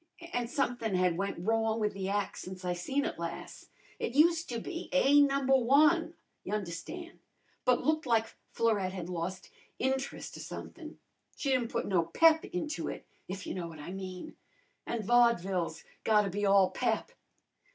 An' somethin' had went wrong with the ac' since I seen it las'. It useter be A Number I, y' un'erstan', but looked like Florette had lost int'rust or somethin'. She didn't put no pep into it, if you know what I mean. An' vodvil's gotta be all pep.